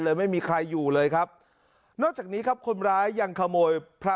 ไม่มีใครอยู่เลยครับนอกจากนี้ครับคนร้ายยังขโมยพระ